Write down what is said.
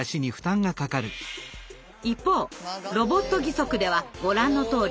一方ロボット義足ではご覧のとおり。